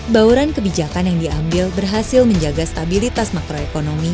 bauran kebijakan yang diambil berhasil menjaga stabilitas makroekonomi